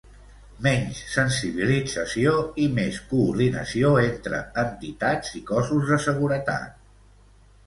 Menys sensibilització i més coordinació entre entitats i cossos de seguretat.